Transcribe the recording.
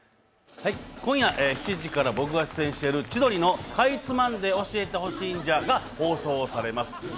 今夜７時から僕が出演している「千鳥のかいつまんで教えてほしいんじゃ！」が放送されます。